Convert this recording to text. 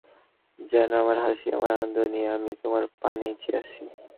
যেন আমার হাসি, আমার আনন্দ নিয়ে আমি তোমার পানেই চেয়ে আছি।